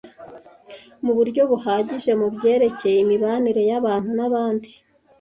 mu buryo buhagije mu byerekeye imibanire y’abantu n’abandi